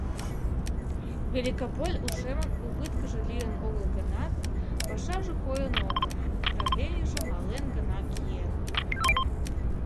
Великополь ушемын убыткыже лийын огыл гынат, пашаже койын огыл, правленийже мален гына киен.